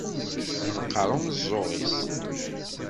Yenqer umeẓẓuɣ-is.